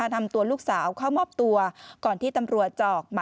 นำตัวลูกสาวเข้ามอบตัวก่อนที่ตำรวจจะออกมา